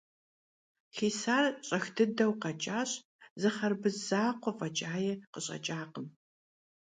Хисар щӀэх дыдэу къэкӀащ, зы хъэрбыз закъуэ фӀэкӀаи къыщӀэкӀакъым.